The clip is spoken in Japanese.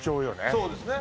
そうですね